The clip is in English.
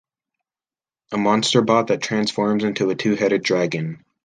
A Monsterbot that transforms into a Two-Headed Dragon.